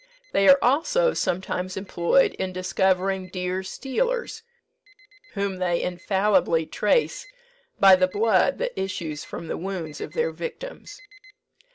They are also sometimes employed in discovering deer stealers, whom they infallibly trace by the blood that issues from the wounds of their victims.